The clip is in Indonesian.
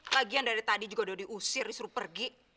bagian dari tadi juga udah diusir disuruh pergi